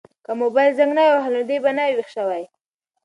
که موبایل زنګ نه وای وهلی نو دی به نه وای ویښ شوی.